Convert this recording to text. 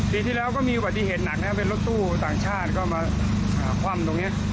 ปีที่แล้วก็มีอุบัติเหตุหนักนะเป็นรถตู้ต่างชาติก็มาคว่ำตรงนี้